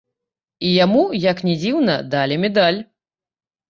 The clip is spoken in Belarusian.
І яму, як не дзіўна, далі медаль.